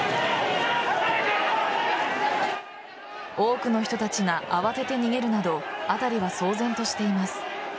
多くの人たちが慌てて逃げるなど辺りは騒然としています。